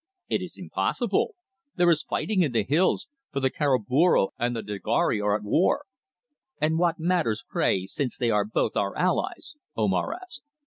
"It is impossible. There is fighting in the hills, for the Karaboro and the Dagari are at war." "And what matters, pray, since they are both our allies?" Omar asked.